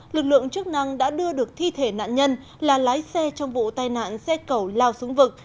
lực lượng chức năng đã đưa được thi thể nạn nhân là lái xe trong vụ tai nạn xe cẩu lao xuống vực